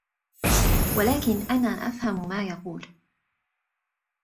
ولكن أنا أفهم ما يقول.